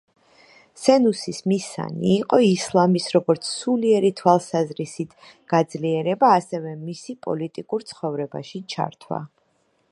სენუსის მისანი იყო ისლამის როგორც სულიერი თვალსაზრისით გაძლიერება ასევე მისი პოლიტიკურ ცხოვრებაში ჩართვა.